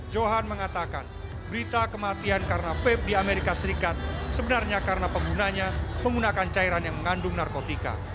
johan mengatakan berita kematian karena vape di amerika serikat sebenarnya karena penggunanya menggunakan cairan yang mengandung narkotika